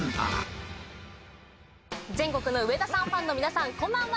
全国の上田さんファンの皆さんこんばんは！